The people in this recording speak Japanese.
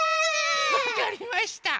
わかりました。